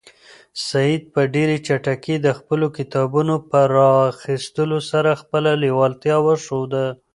سعید په ډېرې چټکۍ د خپلو کتابونو په راخیستلو سره خپله لېوالتیا وښوده.